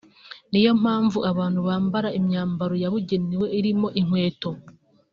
niyo mpamvu abantu bambara imyambaro yabugenewe irimo inkweto